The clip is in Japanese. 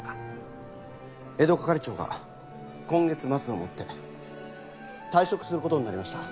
江戸係長が今月末をもって退職する事になりました。